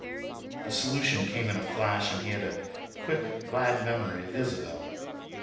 The solution came in a flash and he had a quick, glad memory of Isabelle.